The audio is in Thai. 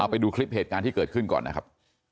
ไปดูคลิปเหตุการณ์ที่เกิดขึ้นก่อนนะครับ